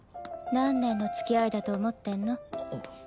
何年のつきあいだと思ってんの。